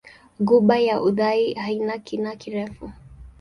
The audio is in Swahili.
Ghuba ya Uthai haina kina kirefu.